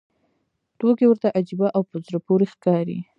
توکي ورته عجیبه او په زړه پورې ښکاري